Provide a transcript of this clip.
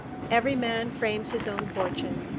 ["Every man frames his own fortune."